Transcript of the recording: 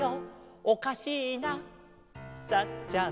「おかしいなサッちゃん」